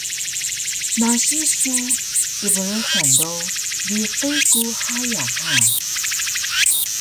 Nasi su kbrxan do biqi ku haya ha